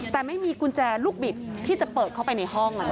แต่ไม่มีกุญแจลูกบิดที่จะเปิดเข้าไปในห้อง